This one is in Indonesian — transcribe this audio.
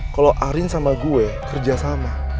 kalau arin sama gue kerja sama